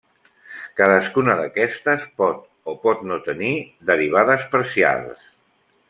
Cadascuna d'aquestes pot o pot no tenir derivades parcials.